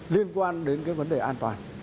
liên quan đến cái vấn đề an toàn